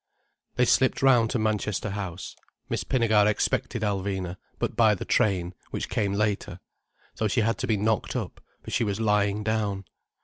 They slipped round to Manchester House. Miss Pinnegar expected Alvina, but by the train, which came later. So she had to be knocked up, for she was lying down.